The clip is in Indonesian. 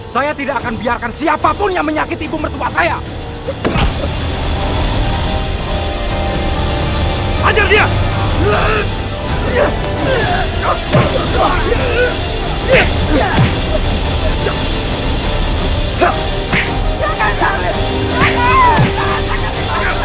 saya tidak akan biarkan siapapun yang menyakiti ibu mertua saya